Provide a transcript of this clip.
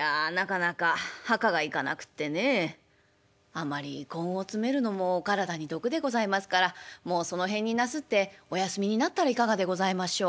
「あんまり根を詰めるのもお体に毒でございますからもうその辺になすってお休みになったらいかがでございましょう」。